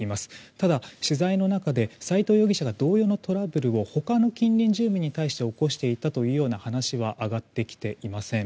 ただ、取材の中で斎藤容疑者が同様のトラブルを他の近隣住民に対して起こしていたというような話は上がってきていません。